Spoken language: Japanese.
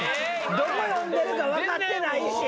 どこ読んでるか分かってないし。